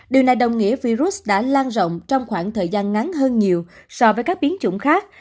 điều này đồng nghĩa virus đã lan rộng trong khoảng thời gian ngắn hơn nhiều so với các biến chủng khác